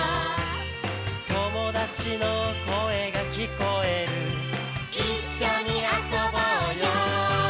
「友達の声が聞こえる」「一緒に遊ぼうよ」